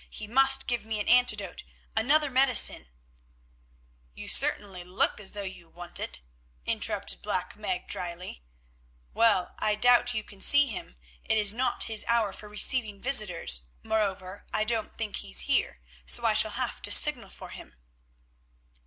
He must give me an antidote, another medicine——" "You certainly look as though you want it," interrupted Black Meg drily. "Well, I doubt whether you can see him; it is not his hour for receiving visitors; moreover, I don't think he's here, so I shall have to signal for him."